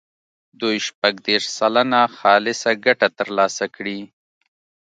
دوی شپږ دېرش سلنه خالصه ګټه ترلاسه کړي.